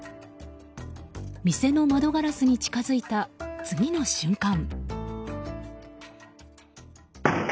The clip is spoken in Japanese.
店の窓ガラスに近づいた次の瞬間。